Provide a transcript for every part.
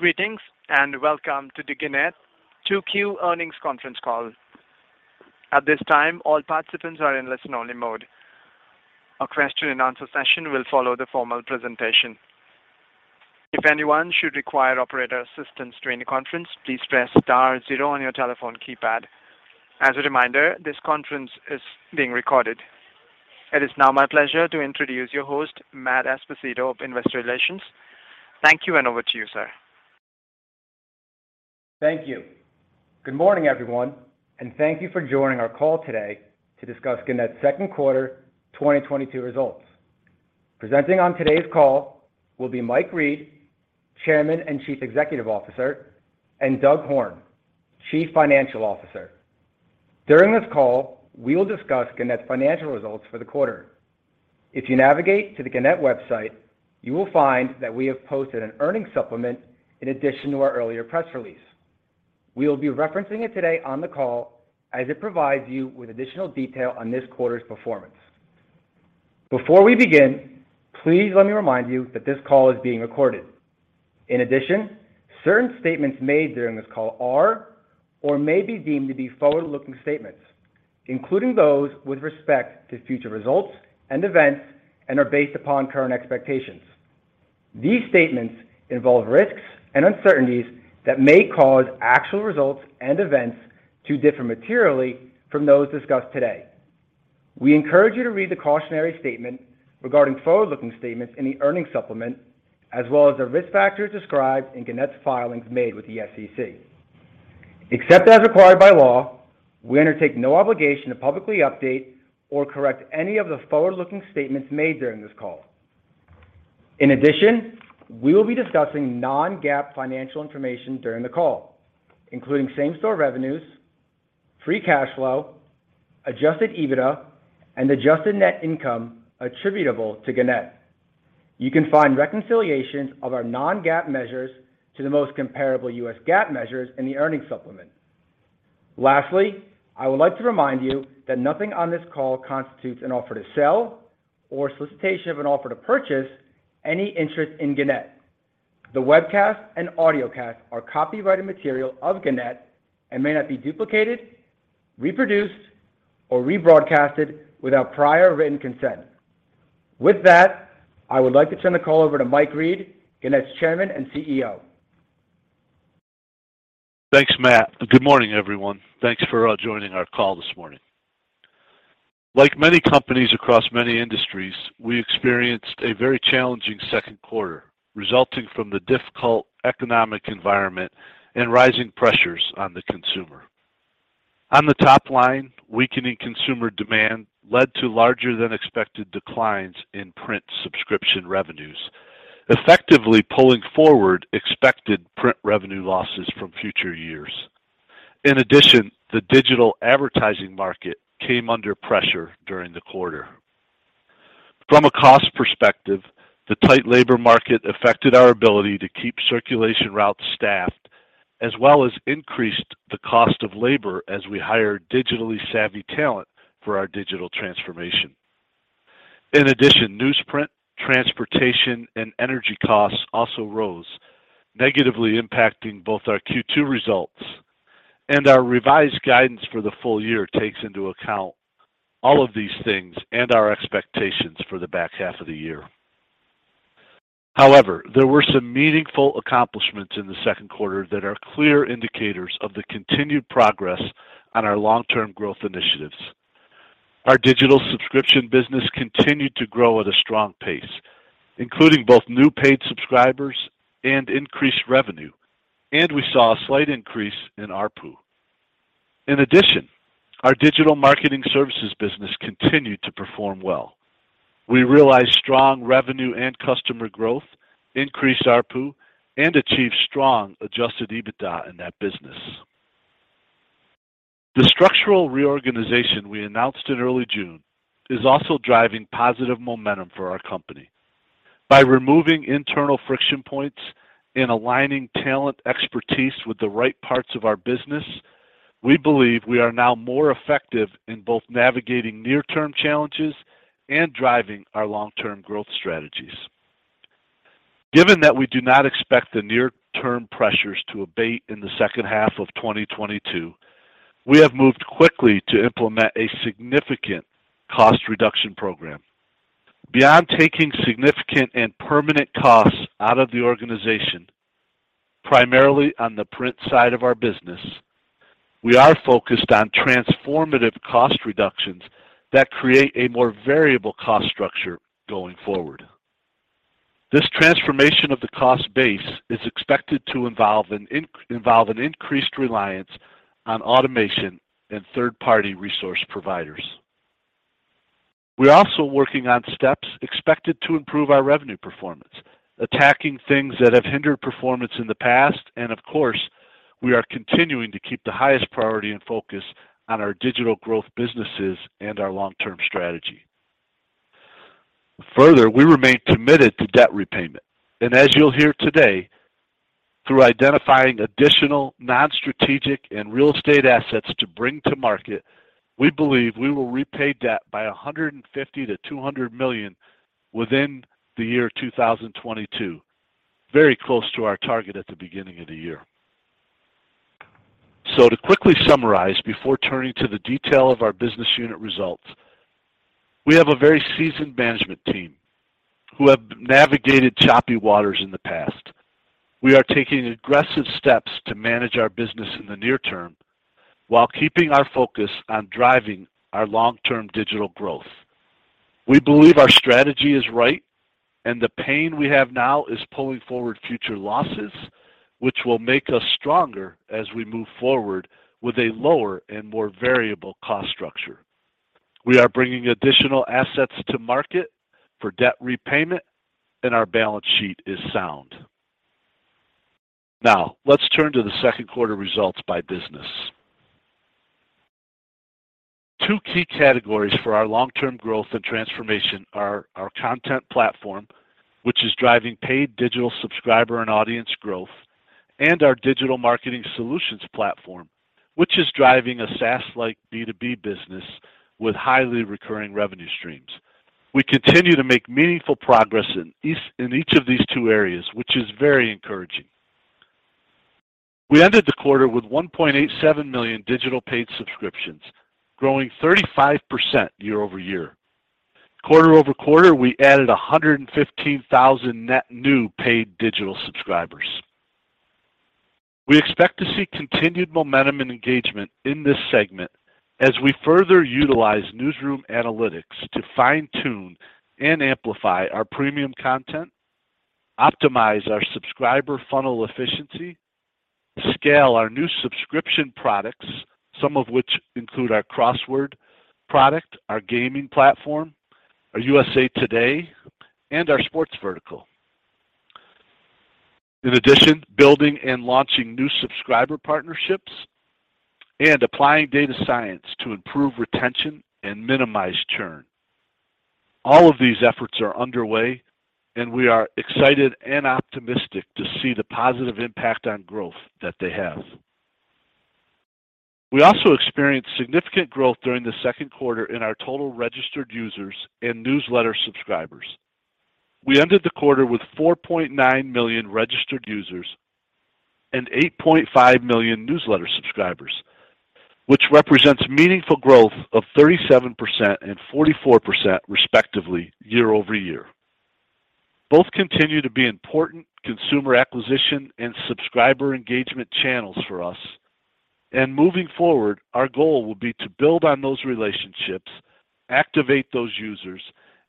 Greetings, and welcome to the Gannett 2Q Earnings Conference Call. At this time, all participants are in listen-only mode. A question-and-answer session will follow the formal presentation. If anyone should require operator assistance during the conference, please press star zero on your telephone keypad. As a reminder, this conference is being recorded. It is now my pleasure to introduce your host, Matthew Esposito of Investor Relations. Thank you, and over to you, sir. Thank you. Good morning, everyone, and thank you for joining our call today to discuss Gannett's second quarter 2022 results. Presenting on today's call will be Mike Reed, Chairman and Chief Executive Officer, and Douglas Horne, Chief Financial Officer. During this call, we will discuss Gannett's financial results for the quarter. If you navigate to the Gannett website, you will find that we have posted an earnings supplement in addition to our earlier press release. We will be referencing it today on the call as it provides you with additional detail on this quarter's performance. Before we begin, please let me remind you that this call is being recorded. In addition, certain statements made during this call are or may be deemed to be forward-looking statements, including those with respect to future results and events and are based upon current expectations. These statements involve risks and uncertainties that may cause actual results and events to differ materially from those discussed today. We encourage you to read the cautionary statement regarding forward-looking statements in the earnings supplement, as well as the risk factors described in Gannett's filings made with the SEC. Except as required by law, we undertake no obligation to publicly update or correct any of the forward-looking statements made during this call. In addition, we will be discussing non-GAAP financial information during the call, including same-store revenues, free cash flow, Adjusted EBITDA, and adjusted net income attributable to Gannett. You can find reconciliations of our non-GAAP measures to the most comparable U.S. GAAP measures in the earnings supplement. Lastly, I would like to remind you that nothing on this call constitutes an offer to sell or solicitation of an offer to purchase any interest in Gannett. The webcast and audiocast are copyrighted material of Gannett and may not be duplicated, reproduced, or rebroadcast without prior written consent. With that, I would like to turn the call over to Mike Reed, Gannett's Chairman and CEO. Thanks, Matt. Good morning, everyone. Thanks for joining our call this morning. Like many companies across many industries, we experienced a very challenging second quarter, resulting from the difficult economic environment and rising pressures on the consumer. On the top line, weakening consumer demand led to larger than expected declines in print subscription revenues, effectively pulling forward expected print revenue losses from future years. In addition, the digital advertising market came under pressure during the quarter. From a cost perspective, the tight labor market affected our ability to keep circulation routes staffed, as well as increased the cost of labor as we hired digitally savvy talent for our digital transformation. In addition, newsprint, transportation, and energy costs also rose, negatively impacting both our Q2 results and our revised guidance for the full year takes into account all of these things and our expectations for the back half of the year. However, there were some meaningful accomplishments in the second quarter that are clear indicators of the continued progress on our long-term growth initiatives. Our digital subscription business continued to grow at a strong pace, including both new paid subscribers and increased revenue, and we saw a slight increase in ARPU. In addition, our digital marketing services business continued to perform well. We realized strong revenue and customer growth, increased ARPU, and achieved strong Adjusted EBITDA in that business. The structural reorganization we announced in early June is also driving positive momentum for our company. By removing internal friction points and aligning talent expertise with the right parts of our business, we believe we are now more effective in both navigating near-term challenges and driving our long-term growth strategies. Given that we do not expect the near-term pressures to abate in the second half of 2022, we have moved quickly to implement a significant cost reduction program. Beyond taking significant and permanent costs out of the organization, primarily on the print side of our business, we are focused on transformative cost reductions that create a more variable cost structure going forward. This transformation of the cost base is expected to involve an increased reliance on automation and third-party resource providers. We're also working on steps expected to improve our revenue performance, attacking things that have hindered performance in the past, and of course, we are continuing to keep the highest priority and focus on our digital growth businesses and our long-term strategy. Further, we remain committed to debt repayment, and as you'll hear today, through identifying additional non-strategic and real estate assets to bring to market. We believe we will repay debt by $150 million-$200 million within the year 2022, very close to our target at the beginning of the year. To quickly summarize before turning to the detail of our business unit results, we have a very seasoned management team who have navigated choppy waters in the past. We are taking aggressive steps to manage our business in the near term while keeping our focus on driving our long-term digital growth. We believe our strategy is right and the pain we have now is pulling forward future losses, which will make us stronger as we move forward with a lower and more variable cost structure. We are bringing additional assets to market for debt repayment, and our balance sheet is sound. Now let's turn to the second quarter results by business. Two key categories for our long-term growth and transformation are our content platform, which is driving paid digital subscriber and audience growth, and our Digital Marketing Solutions platform, which is driving a SaaS-like B2B business with highly recurring revenue streams. We continue to make meaningful progress in each of these two areas, which is very encouraging. We ended the quarter with 1.87 million digital paid subscriptions, growing 35% year-over-year. Quarter-over-quarter, we added 115,000 net new paid digital subscribers. We expect to see continued momentum and engagement in this segment as we further utilize newsroom analytics to fine-tune and amplify our premium content, optimize our subscriber funnel efficiency, scale our new subscription products, some of which include our crossword product, our gaming platform, our USA TODAY, and our sports vertical. In addition, building and launching new subscriber partnerships and applying data science to improve retention and minimize churn. All of these efforts are underway, and we are excited and optimistic to see the positive impact on growth that they have. We also experienced significant growth during the second quarter in our total registered users and newsletter subscribers. We ended the quarter with 4.9 million registered users and 8.5 million newsletter subscribers, which represents meaningful growth of 37% and 44% respectively year-over-year. Both continue to be important consumer acquisition and subscriber engagement channels for us. Moving forward, our goal will be to build on those relationships, activate those users,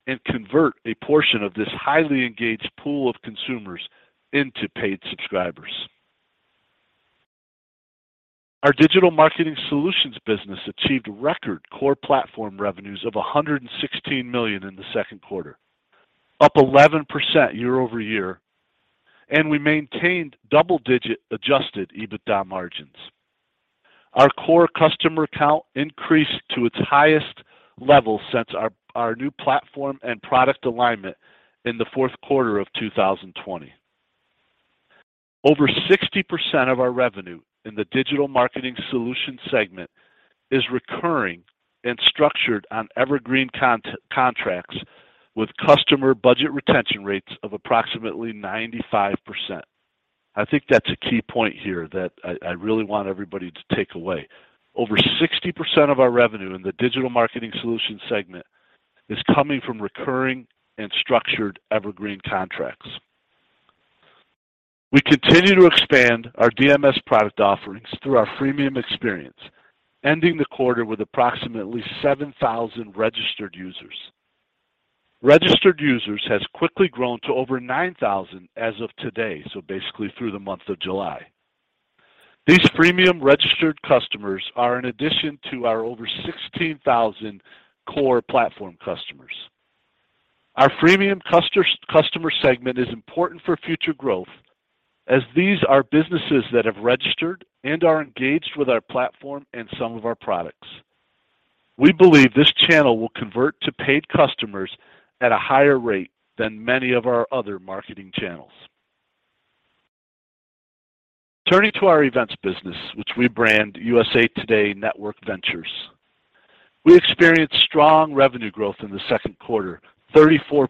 and convert a portion of this highly engaged pool of consumers into paid subscribers. Our Digital Marketing Solutions business achieved record core platform revenues of $116 million in the second quarter, up 11% year-over-year, and we maintained double-digit Adjusted EBITDA margins. Our core customer count increased to its highest level since our new platform and product alignment in the fourth quarter of 2020. Over 60% of our revenue in the Digital Marketing Solutions segment is recurring and structured on evergreen contracts with customer budget retention rates of approximately 95%. I think that's a key point here that I really want everybody to take away. Over 60% of our revenue in the Digital Marketing Solutions segment is coming from recurring and structured evergreen contracts. We continue to expand our DMS product offerings through our freemium experience, ending the quarter with approximately 7,000 registered users. Registered users has quickly grown to over 9,000 as of today, so basically through the month of July. These freemium registered customers are in addition to our over 16,000 core platform customers. Our freemium customer segment is important for future growth as these are businesses that have registered and are engaged with our platform and some of our products. We believe this channel will convert to paid customers at a higher rate than many of our other marketing channels. Turning to our events business, which we brand USA TODAY NETWORK Ventures, we experienced strong revenue growth in the second quarter, 34%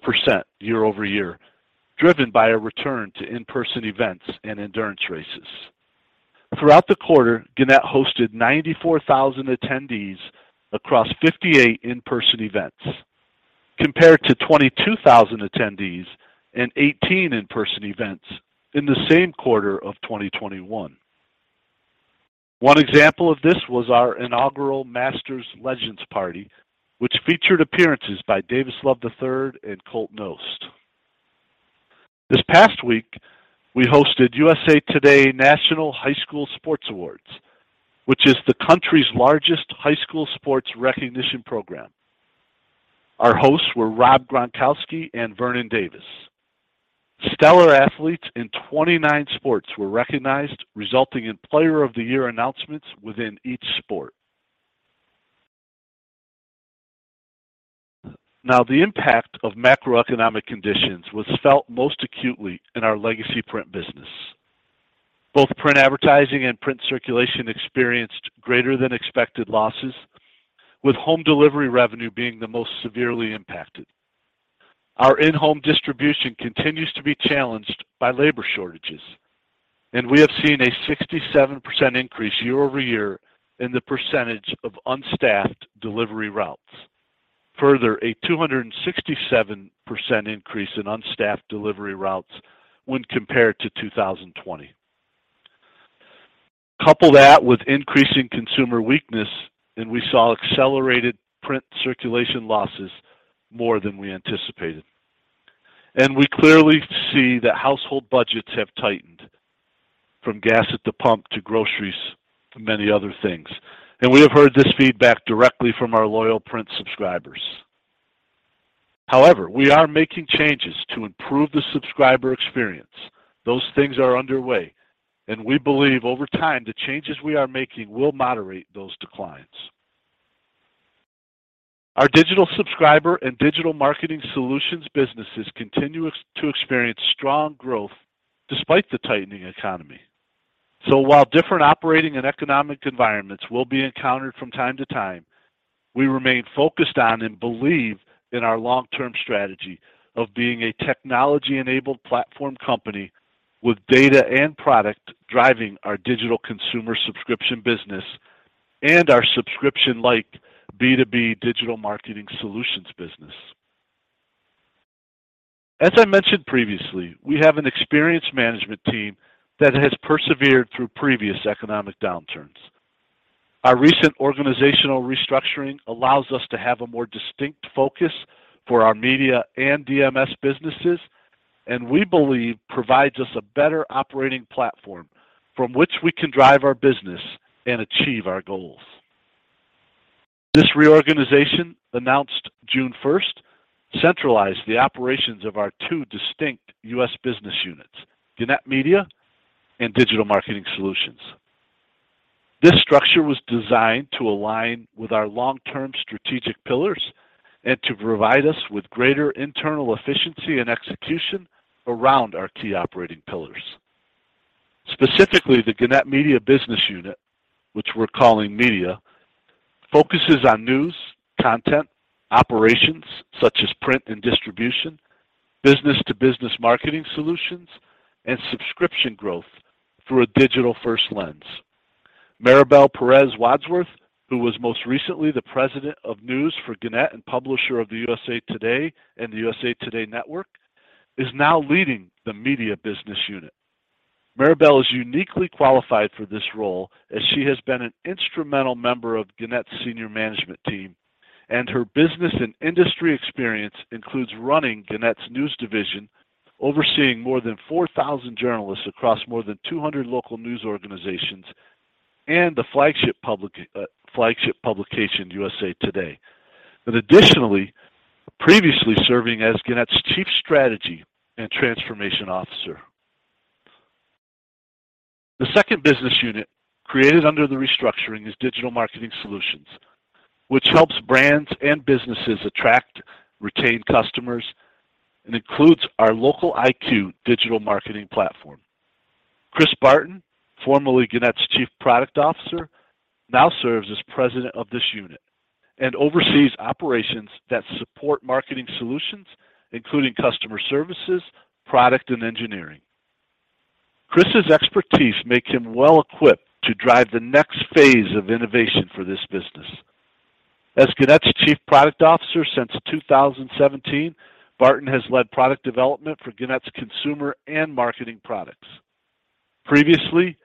year-over-year, driven by a return to in-person events and endurance races. Throughout the quarter, Gannett hosted 94,000 attendees across 58 in-person events, compared to 22,000 attendees and 18 in-person events in the same quarter of 2021. One example of this was our inaugural Masters Legends Party, which featured appearances by Davis Love III and Colt Knost. This past week, we hosted USA TODAY National High School Sports Awards, which is the country's largest high school sports recognition program. Our hosts were Rob Gronkowski and Vernon Davis. Stellar athletes in 29 sports were recognized, resulting in Player of the Year announcements within each sport. Now, the impact of macroeconomic conditions was felt most acutely in our legacy print business. Both print advertising and print circulation experienced greater than expected losses, with home delivery revenue being the most severely impacted. Our in-home distribution continues to be challenged by labor shortages, and we have seen a 67% increase year over year in the percentage of unstaffed delivery routes. Further, a 267% increase in unstaffed delivery routes when compared to 2020. Couple that with increasing consumer weakness, and we saw accelerated print circulation losses more than we anticipated. We clearly see that household budgets have tightened from gas at the pump to groceries to many other things. We have heard this feedback directly from our loyal print subscribers. However, we are making changes to improve the subscriber experience. Those things are underway, and we believe over time the changes we are making will moderate those declines. Our digital subscriber and Digital Marketing Solutions businesses continue to experience strong growth despite the tightening economy. While different operating and economic environments will be encountered from time to time, we remain focused on and believe in our long-term strategy of being a technology-enabled platform company with data and product driving our digital consumer subscription business and our subscription-like B2B Digital Marketing Solutions business. As I mentioned previously, we have an experienced management team that has persevered through previous economic downturns. Our recent organizational restructuring allows us to have a more distinct focus for our media and DMS businesses, and we believe provides us a better operating platform from which we can drive our business and achieve our goals. This reorganization, announced June 1st, centralized the operations of our two distinct U.S. business units, Gannett Media and Digital Marketing Solutions. This structure was designed to align with our long-term strategic pillars and to provide us with greater internal efficiency and execution around our key operating pillars. Specifically, the Gannett Media business unit, which we're calling Media, focuses on news, content, operations such as print and distribution, business-to-business marketing solutions, and subscription growth through a digital-first lens. Maribel Perez Wadsworth, who was most recently the president of news for Gannett and publisher of the USA TODAY and the USA TODAY Network, is now leading the Media business unit. Maribel is uniquely qualified for this role as she has been an instrumental member of Gannett's senior management team, and her business and industry experience includes running Gannett's news division, overseeing more than 4,000 journalists across more than 200 local news organizations, and the flagship publication USA TODAY, and additionally previously serving as Gannett's Chief Strategy and Transformation Officer. The second business unit created under the restructuring is Digital Marketing Solutions, which helps brands and businesses attract, retain customers, and includes our LOCALiQ digital marketing platform. Kris Barton, formerly Gannett's Chief Product Officer, now serves as president of this unit and oversees operations that support marketing solutions, including customer services, product, and engineering. Kris's expertise makes him well-equipped to drive the next phase of innovation for this business. As Gannett's Chief Product Officer since 2017, Barton has led product development for Gannett's consumer and marketing products. Previously,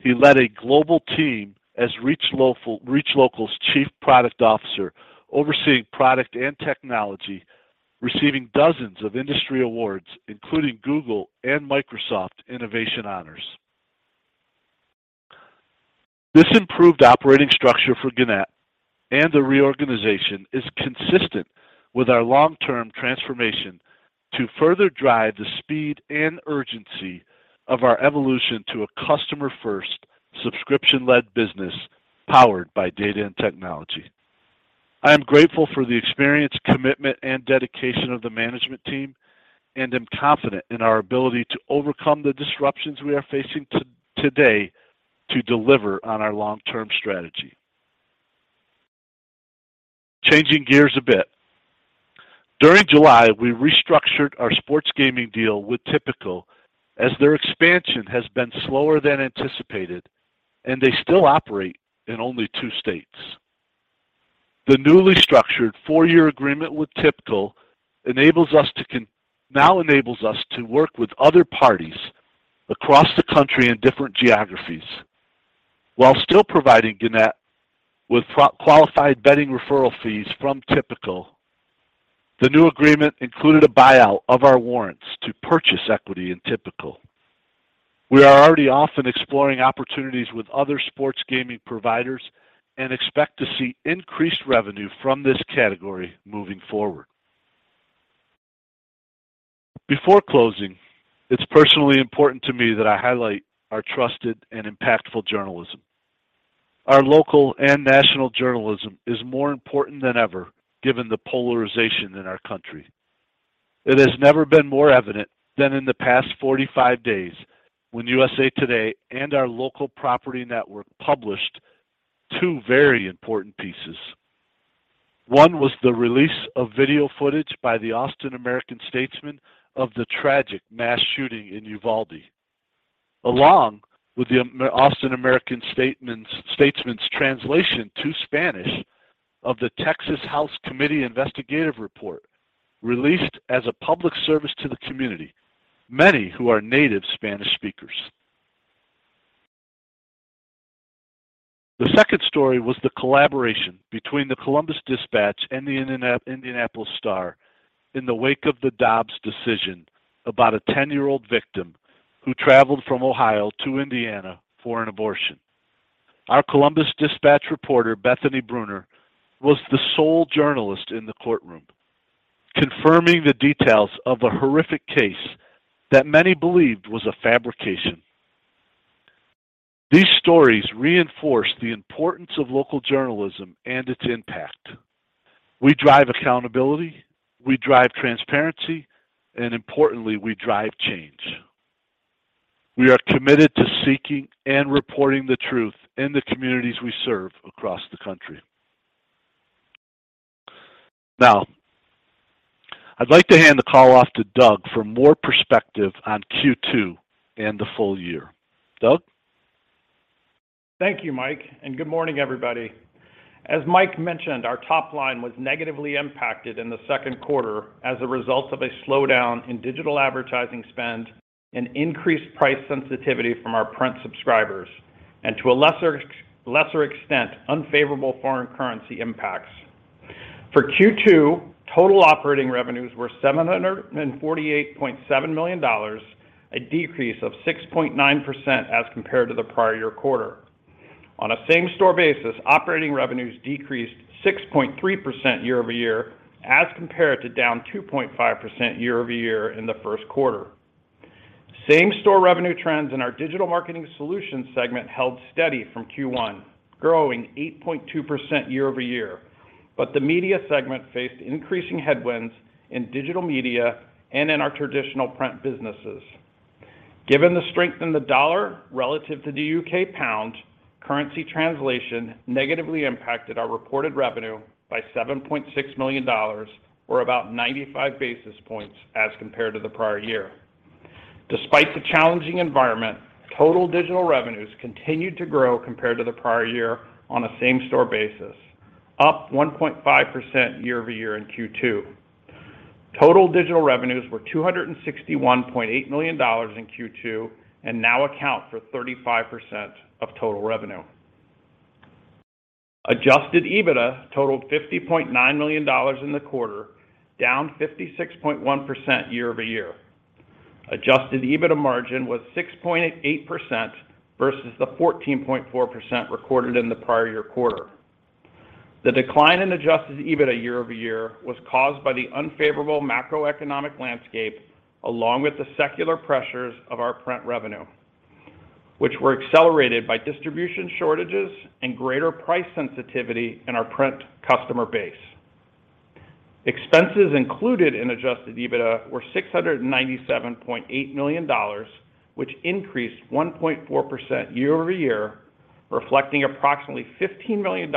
he led a global team as ReachLocal's Chief Product Officer, overseeing product and technology, receiving dozens of industry awards, including Google and Microsoft innovation honors. This improved operating structure for Gannett and the reorganization is consistent with our long-term transformation to further drive the speed and urgency of our evolution to a customer-first, subscription-led business powered by data and technology. I am grateful for the experience, commitment, and dedication of the management team and am confident in our ability to overcome the disruptions we are facing today to deliver on our long-term strategy. Changing gears a bit. During July, we restructured our sports gaming deal with Tipico as their expansion has been slower than anticipated, and they still operate in only two states. The newly structured four-year agreement with Tipico now enables us to work with other parties across the country in different geographies while still providing Gannett with qualified betting referral fees from Tipico. The new agreement included a buyout of our warrants to purchase equity in Tipico. We are already off and exploring opportunities with other sports gaming providers and expect to see increased revenue from this category moving forward. Before closing, it's personally important to me that I highlight our trusted and impactful journalism. Our local and national journalism is more important than ever given the polarization in our country. It has never been more evident than in the past 45 days when USA TODAY and our local property network published two very important pieces. One was the release of video footage by the Austin American-Statesman of the tragic mass shooting in Uvalde, along with the Austin American-Statesman's translation to Spanish of the Texas House Committee investigative report released as a public service to the community, many who are native Spanish speakers. The second story was the collaboration between The Columbus Dispatch and The Indianapolis Star in the wake of the Dobbs decision about a ten-year-old victim who traveled from Ohio to Indiana for an abortion. Our Columbus Dispatch reporter, Bethany Bruner, was the sole journalist in the courtroom, confirming the details of a horrific case that many believed was a fabrication. These stories reinforce the importance of local journalism and its impact. We drive accountability, we drive transparency, and importantly, we drive change. We are committed to seeking and reporting the truth in the communities we serve across the country. Now, I'd like to hand the call off to Doug for more perspective on Q2 and the full year. Doug. Thank you, Mike, and good morning, everybody. As Mike mentioned, our top line was negatively impacted in the second quarter as a result of a slowdown in digital advertising spend and increased price sensitivity from our print subscribers and to a lesser extent, unfavorable foreign currency impacts. For Q2, total operating revenues were $748.7 million, a decrease of 6.9% as compared to the prior year quarter. On a same-store basis, operating revenues decreased 6.3% year-over-year as compared to down 2.5% year-over-year in the first quarter. Same-store revenue trends in our Digital Marketing Solutions segment held steady from Q1, growing 8.2% year-over-year. The media segment faced increasing headwinds in digital media and in our traditional print businesses. Given the strength in the dollar relative to the U.K. pound, currency translation negatively impacted our reported revenue by $7.6 million or about 95 basis points as compared to the prior year. Despite the challenging environment, total digital revenues continued to grow compared to the prior year on a same-store basis, up 1.5% year-over-year in Q2. Total digital revenues were $261.8 million in Q2 and now account for 35% of total revenue. Adjusted EBITDA totaled $50.9 million in the quarter, down 56.1% year-over-year. Adjusted EBITDA margin was 6.8% versus the 14.4% recorded in the prior year quarter. The decline in Adjusted EBITDA year-over-year was caused by the unfavorable macroeconomic landscape, along with the secular pressures of our print revenue, which were accelerated by distribution shortages and greater price sensitivity in our print customer base. Expenses included in Adjusted EBITDA were $697.8 million, which increased 1.4% year-over-year, reflecting approximately $15 million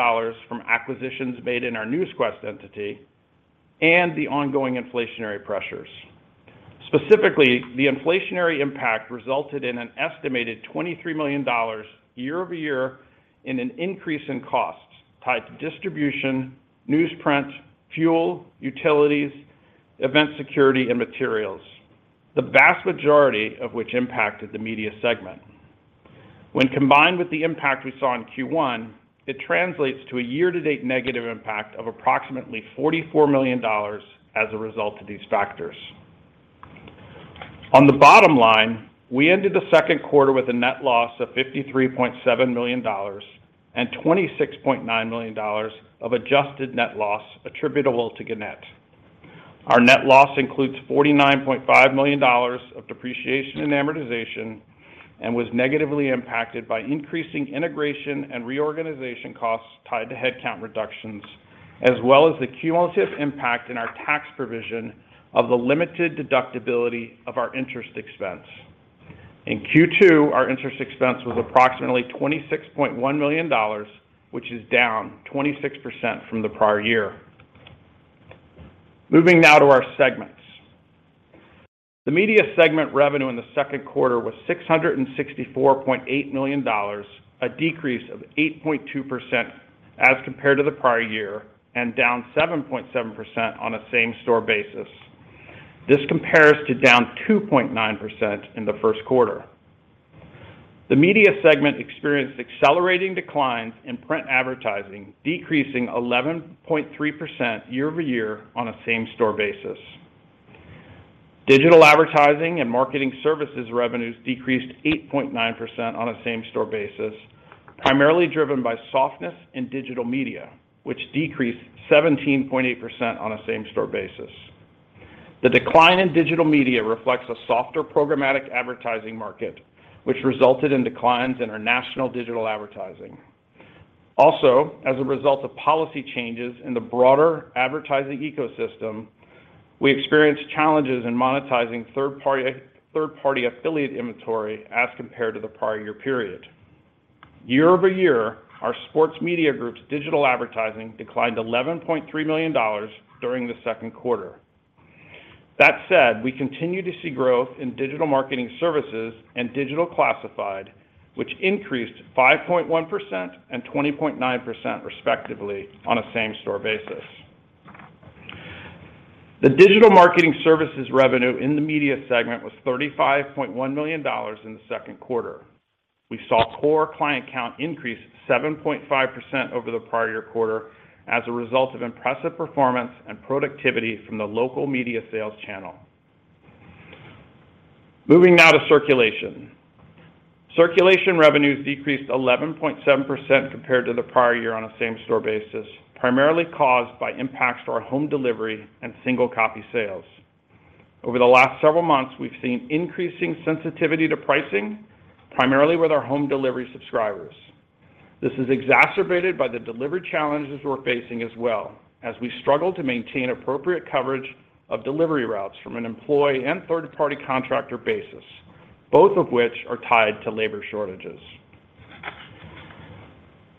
from acquisitions made in our Newsquest entity and the ongoing inflationary pressures. Specifically, the inflationary impact resulted in an estimated $23 million year-over-year in an increase in costs tied to distribution, newsprint, fuel, utilities, event security, and materials, the vast majority of which impacted the media segment. When combined with the impact we saw in Q1, it translates to a year-to-date negative impact of approximately $44 million as a result of these factors. On the bottom line, we ended the second quarter with a net loss of $53.7 million and $26.9 million of adjusted net loss attributable to Gannett. Our net loss includes $49.5 million of depreciation and amortization and was negatively impacted by increasing integration and reorganization costs tied to headcount reductions, as well as the cumulative impact in our tax provision of the limited deductibility of our interest expense. In Q2, our interest expense was approximately $26.1 million, which is down 26% from the prior year. Moving now to our segments. The media segment revenue in the second quarter was $664.8 million, a decrease of 8.2% as compared to the prior year and down 7.7% on a same-store basis. This compares to down 2.9% in the first quarter. The media segment experienced accelerating declines in print advertising, decreasing 11.3% year-over-year on a same-store basis. Digital advertising and marketing services revenues decreased 8.9% on a same-store basis. Primarily driven by softness in digital media, which decreased 17.8% on a same-store basis. The decline in digital media reflects a softer programmatic advertising market which resulted in declines in our national digital advertising. Also, as a result of policy changes in the broader advertising ecosystem, we experienced challenges in monetizing third-party affiliate inventory as compared to the prior year period. Year-over-year, our Sports Media Group's digital advertising declined $11.3 million during the second quarter. That said, we continue to see growth in digital marketing services and digital classified, which increased 5.1% and 20.9% respectively on a same store basis. The digital marketing services revenue in the media segment was $35.1 million in the second quarter. We saw core client count increase 7.5% over the prior year quarter as a result of impressive performance and productivity from the local media sales channel. Moving now to circulation. Circulation revenues decreased 11.7% compared to the prior year on a same store basis, primarily caused by impacts to our home delivery and single copy sales. Over the last several months, we've seen increasing sensitivity to pricing, primarily with our home delivery subscribers. This is exacerbated by the delivery challenges we're facing as well as we struggle to maintain appropriate coverage of delivery routes from an employee and third party contractor basis, both of which are tied to labor shortages.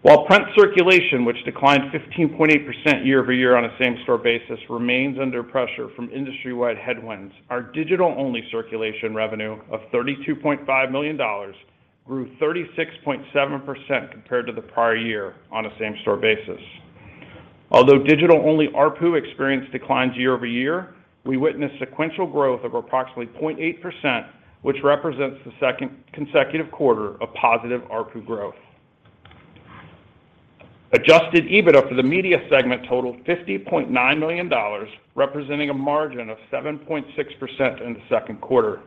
While print circulation, which declined 15.8% year-over-year on a same store basis, remains under pressure from industry-wide headwinds, our digital-only circulation revenue of $32.5 million grew 36.7% compared to the prior year on a same store basis. Although digital-only ARPU experienced declines year-over-year, we witnessed sequential growth of approximately 0.8%, which represents the second consecutive quarter of positive ARPU growth. Adjusted EBITDA for the media segment totaled $50.9 million, representing a margin of 7.6% in the second quarter.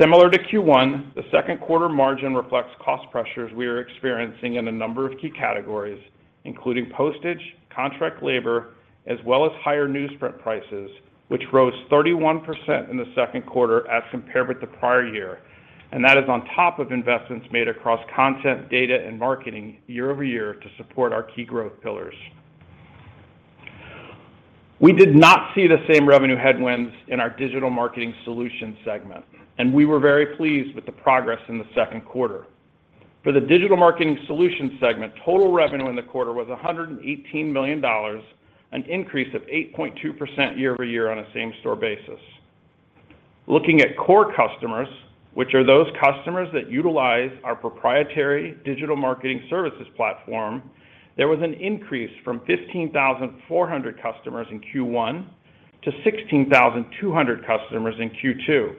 Similar to Q1, the second quarter margin reflects cost pressures we are experiencing in a number of key categories, including postage, contract labor as well as higher newsprint prices, which rose 31% in the second quarter as compared with the prior year. That is on top of investments made across content, data and marketing year-over-year to support our key growth pillars. We did not see the same revenue headwinds in our Digital Marketing Solutions segment, and we were very pleased with the progress in the second quarter. For the Digital Marketing Solutions segment, total revenue in the quarter was $118 million, an increase of 8.2% year-over-year on a same store basis. Looking at core customers, which are those customers that utilize our proprietary digital marketing services platform, there was an increase from 15,400 customers in Q1-16,200 customers in Q2,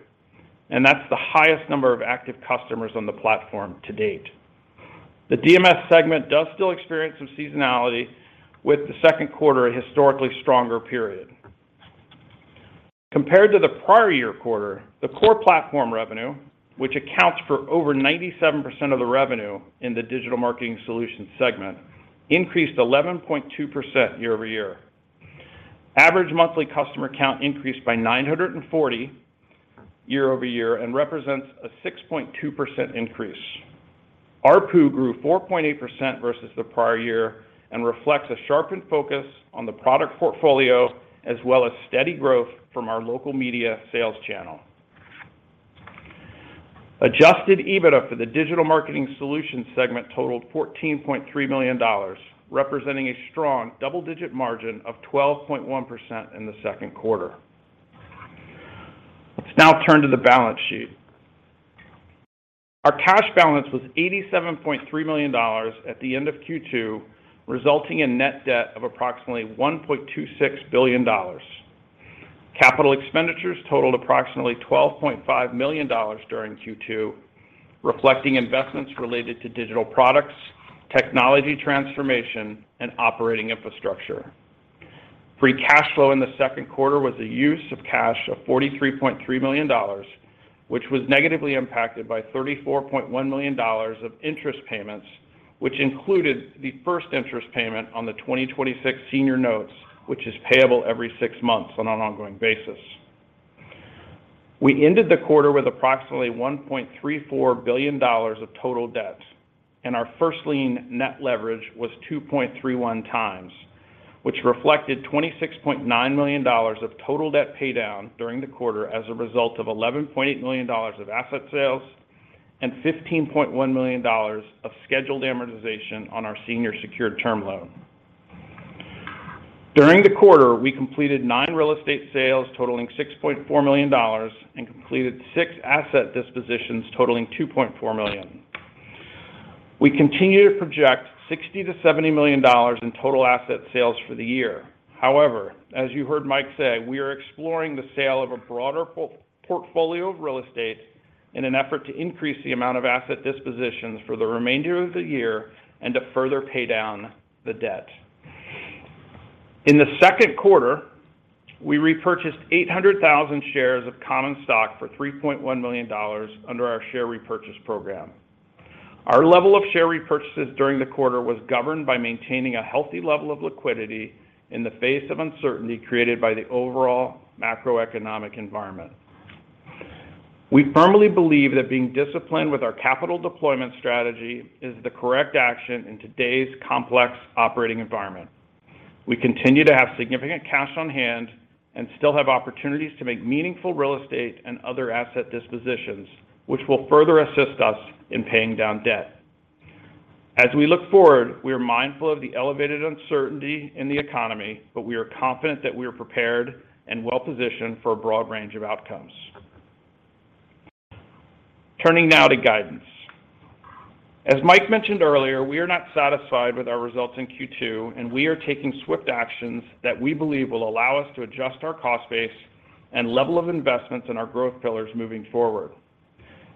and that's the highest number of active customers on the platform to date. The DMS segment does still experience some seasonality with the second quarter a historically stronger period. Compared to the prior year quarter, the core platform revenue, which accounts for over 97% of the revenue in the digital marketing solutions segment, increased 11.2% year-over-year. Average monthly customer count increased by 940 year-over-year and represents a 6.2% increase. ARPU grew 4.8% versus the prior year and reflects a sharpened focus on the product portfolio as well as steady growth from our local media sales channel. Adjusted EBITDA for the Digital Marketing Solutions segment totaled $14.3 million, representing a strong double digit margin of 12.1% in the second quarter. Let's now turn to the balance sheet. Our cash balance was $87.3 million at the end of Q2, resulting in net debt of approximately $1.26 billion. Capital expenditures totaled approximately $12.5 million during Q2, reflecting investments related to digital products, technology transformation and operating infrastructure. Free cash flow in the second quarter was a use of cash of $43.3 million, which was negatively impacted by $34.1 million of interest payments, which included the first interest payment on the 2026 senior notes, which is payable every six months on an ongoing basis. We ended the quarter with approximately $1.34 billion of total debt, and our first lien net leverage was 2.31x, which reflected $26.9 million of total debt pay down during the quarter as a result of $11.8 million of asset sales and $15.1 million of scheduled amortization on our senior secured term loan. During the quarter, we completed nine real estate sales totaling $6.4 million and completed six asset dispositions totaling $2.4 million. We continue to project $60 million-$70 million in total asset sales for the year. However, as you heard Mike say, we are exploring the sale of a broader portfolio of real estate in an effort to increase the amount of asset dispositions for the remainder of the year and to further pay down the debt. In the second quarter, we repurchased 800,000 shares of common stock for $3.1 million under our share repurchase program. Our level of share repurchases during the quarter was governed by maintaining a healthy level of liquidity in the face of uncertainty created by the overall macroeconomic environment. We firmly believe that being disciplined with our capital deployment strategy is the correct action in today's complex operating environment. We continue to have significant cash on hand and still have opportunities to make meaningful real estate and other asset dispositions, which will further assist us in paying down debt. As we look forward, we are mindful of the elevated uncertainty in the economy, but we are confident that we are prepared and well-positioned for a broad range of outcomes. Turning now to guidance. As Mike mentioned earlier, we are not satisfied with our results in Q2, and we are taking swift actions that we believe will allow us to adjust our cost base and level of investments in our growth pillars moving forward.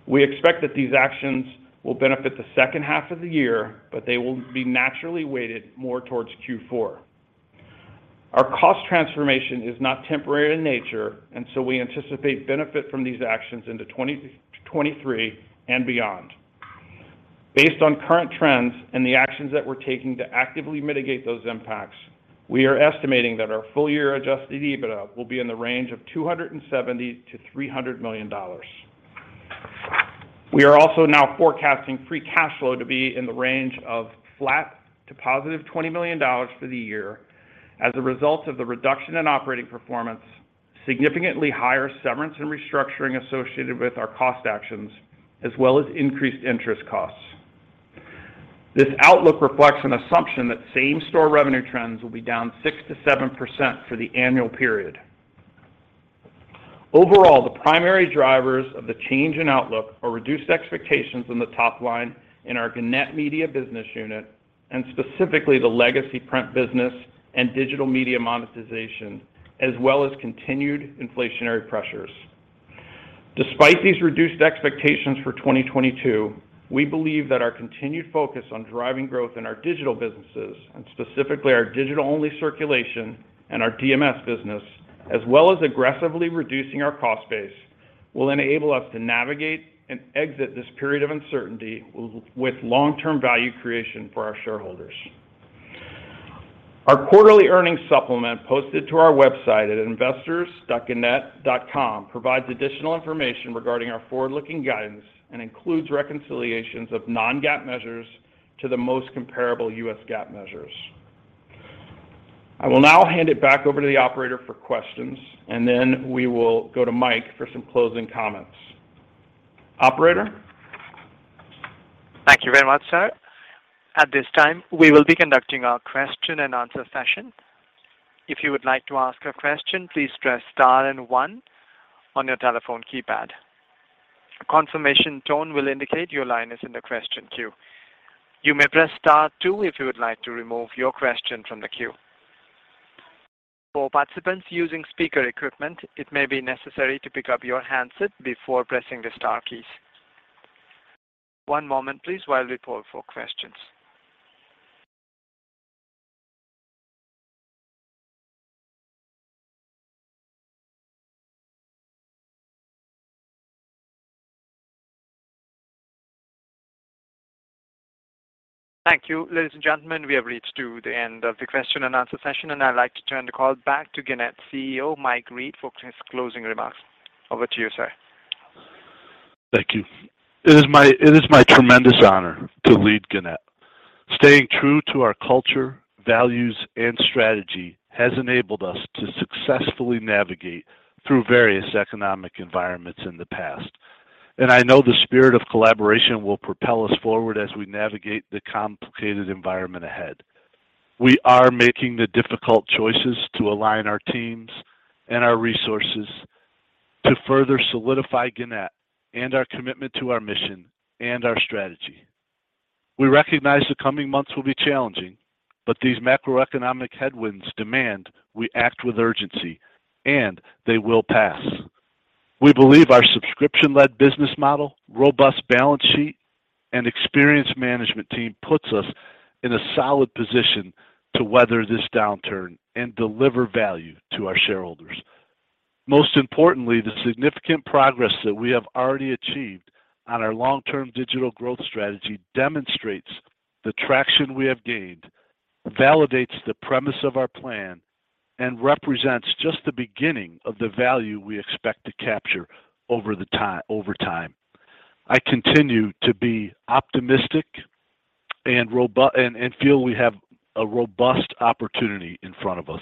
We expect that these actions will benefit the second half of the year, but they will be naturally weighted more towards Q4. Our cost transformation is not temporary in nature, and so we anticipate benefit from these actions into 2023 and beyond. Based on current trends and the actions that we're taking to actively mitigate those impacts, we are estimating that our full year Adjusted EBITDA will be in the range of $270 million-$300 million. We are also now forecasting free cash flow to be in the range of flat to +$20 million for the year as a result of the reduction in operating performance, significantly higher severance and restructuring associated with our cost actions, as well as increased interest costs. This outlook reflects an assumption that same-store revenue trends will be down 6%-7% for the annual period. Overall, the primary drivers of the change in outlook are reduced expectations in the top line in our Gannett Media business unit, and specifically the legacy print business and digital media monetization, as well as continued inflationary pressures. Despite these reduced expectations for 2022, we believe that our continued focus on driving growth in our digital businesses, and specifically our digital-only circulation and our DMS business, as well as aggressively reducing our cost base, will enable us to navigate and exit this period of uncertainty with long-term value creation for our shareholders. Our quarterly earnings supplement posted to our website at investors.gannett.com provides additional information regarding our forward-looking guidance and includes reconciliations of non-GAAP measures to the most comparable U.S. GAAP measures. I will now hand it back over to the operator for questions, and then we will go to Mike for some closing comments. Operator? Thank you very much, sir. At this time, we will be conducting our question and answer session. If you would like to ask a question, please press star and one on your telephone keypad. Confirmation tone will indicate your line is in the question queue. You may press star two if you would like to remove your question from the queue. For participants using speaker equipment, it may be necessary to pick up your handset before pressing the star keys. One moment please while we poll for questions. Thank you. Ladies and gentlemen, we have reached the end of the question and answer session, and I'd like to turn the call back to Gannett CEO Mike Reed for his closing remarks. Over to you, sir. Thank you. It is my tremendous honor to lead Gannett. Staying true to our culture, values, and strategy has enabled us to successfully navigate through various economic environments in the past, and I know the spirit of collaboration will propel us forward as we navigate the complicated environment ahead. We are making the difficult choices to align our teams and our resources to further solidify Gannett and our commitment to our mission and our strategy. We recognize the coming months will be challenging, but these macroeconomic headwinds demand we act with urgency, and they will pass. We believe our subscription-led business model, robust balance sheet, and experienced management team puts us in a solid position to weather this downturn and deliver value to our shareholders. Most importantly, the significant progress that we have already achieved on our long-term digital growth strategy demonstrates the traction we have gained, validates the premise of our plan, and represents just the beginning of the value we expect to capture over time. I continue to be optimistic and feel we have a robust opportunity in front of us.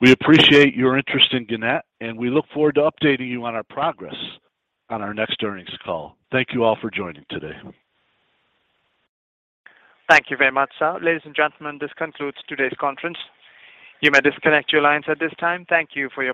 We appreciate your interest in Gannett, and we look forward to updating you on our progress on our next earnings call. Thank you all for joining today. Thank you very much, sir. Ladies and gentlemen, this concludes today's conference. You may disconnect your lines at this time. Thank you for your participation.